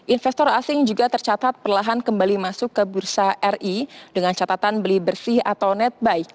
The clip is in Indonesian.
investor asing juga tercatat perlahan kembali masuk ke bursa ri dengan catatan beli bersih atau netbuy